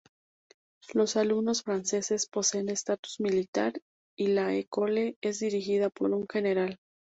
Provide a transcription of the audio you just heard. Los alumnos franceses poseen estatus militar, y la École es dirigida por un general.